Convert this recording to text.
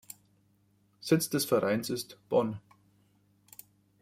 Sitz dieses Vereins ist Bonn.